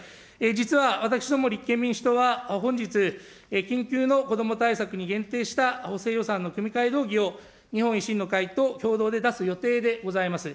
実は私ども立憲民主党は、本日、緊急の子ども対策に限定した補正予算の組み替え動議を日本維新の会と共同で出す予定でございます。